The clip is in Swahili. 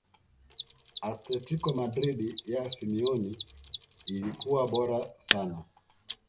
athletico madrid ya simeone ilikuwa bora sana